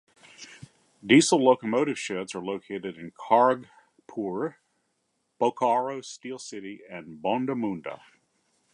Diesel locomotive sheds are located in Kharagpur, Bokaro Steel City, and Bondamunda.